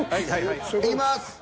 いきます！